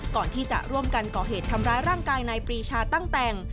ก่อนที่จะร่วมกันก่อเหตุทำร้ายร่างกายนายปรีชาตั้งแต่